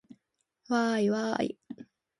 わーいわーい